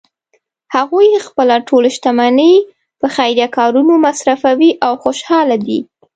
هغوی خپله ټول شتمني په خیریه کارونو مصرفوی او خوشحاله دي